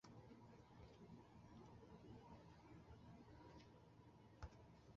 এটি একটি ভূতপূর্ব ফরাসি উপনিবেশ।